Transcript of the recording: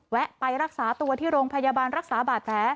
ไปรักษาตัวที่โรงพยาบาลรักษาบาดแผล